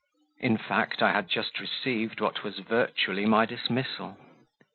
In fact, I had just received what was virtually my dismissal.